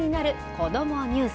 こどもニュース。